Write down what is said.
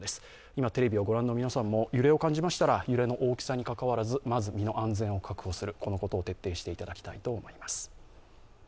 今テレビをご覧の皆さんも揺れを感じましたら、揺れの大きさにかかわらず、まず身の安全を確保する、このことを徹底していただきたいと思います。